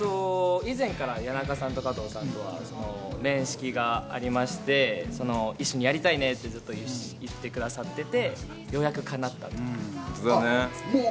以前から谷中さんと加藤さんとは面識がありまして、一緒にやりたいねって、ずっと言ってくださってて、ようやく叶ったという。